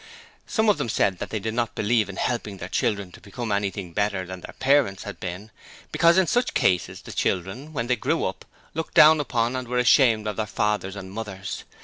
Some of them said that they did not believe in helping their children to become anything better than their parents had been because in such cases the children, when they grew up, 'looked down' upon and were ashamed of their fathers and mothers!